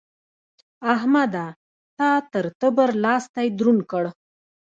احمده! تا تر تبر؛ لاستی دروند کړ.